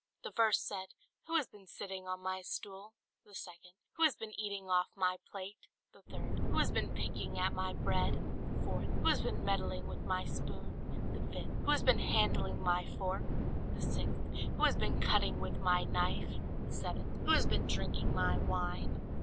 The first said, "Who has been sitting on my stool?" The second, "Who has been eating off my plate?" The third, "Who has been picking at my bread?" the fourth, "Who has been meddling with my spoon?" The fifth, "Who has been handling my fork?" The sixth, "Who has been cutting with my knife?" The seventh, "Who has been drinking my wine?"